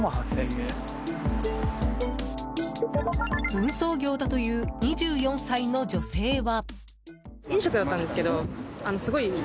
運送業だという２４歳の女性は。